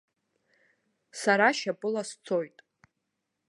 Сара шьапыла сцоит.